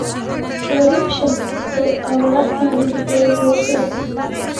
غریب شه، خو اولاد باندې دې تعلیم وکړه!